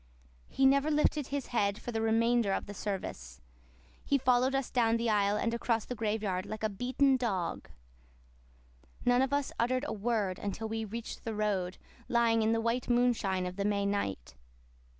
He never lifted his head for the remainder of the service; and he followed us down the aisle and across the graveyard like a beaten dog. None of us uttered a word until we reached the road, lying in the white moonshine of the May night.